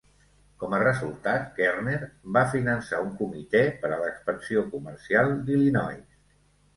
Com a resultat, Kerner va finançar un comitè per a l'expansió comercial d'Illinois.